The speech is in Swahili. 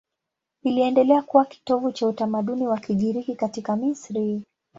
Iliendelea kuwa kitovu cha utamaduni wa Kigiriki katika Misri.